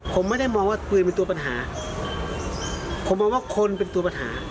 ผมไม่ได้มองว่าปืนเป็นตัวปัญหาผมมองว่าคนเป็นตัวปัญหา